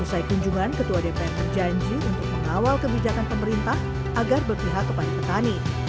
usai kunjungan ketua dpr berjanji untuk mengawal kebijakan pemerintah agar berpihak kepada petani